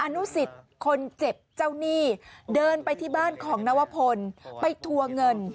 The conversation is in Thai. นุสิตคนเจ็บเจ้าหนี้เดินไปที่บ้านของนวพลไปทัวร์เงิน